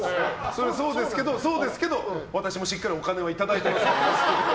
それはそうですけど私もしっかりお金はいただいてますから。